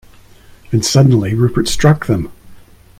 And suddenly Rupert struck them.